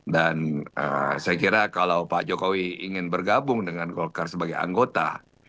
saya kira kalau pak jokowi ingin bergabung dengan golkar sebagai anggota